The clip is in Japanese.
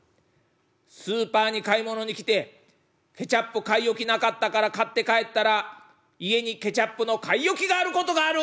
スーパーに買い物に来てケチャップ買い置きなかったから買って帰ったら家にケチャップの買い置きがあることがある！」。